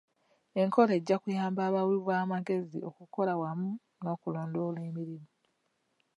Enkola ejja kuyamba abawi b'amagezi okukola wamu n'okulondoola emirimu.